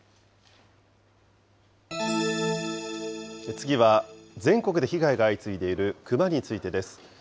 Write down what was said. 次は全国で被害が相次いでいるクマについてです。